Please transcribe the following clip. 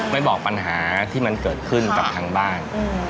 ไม่บอกปัญหาที่มันเกิดขึ้นกับทางบ้าน